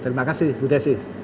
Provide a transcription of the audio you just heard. terima kasih bu desi